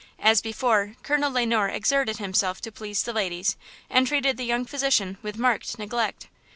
As before, Colonel Le Noir exerted himself to please the ladies and treated the young physician with marked neglect.